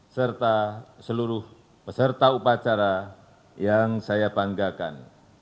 serta seluruh peserta upacara yang saya banggakan